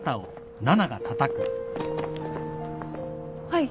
はい。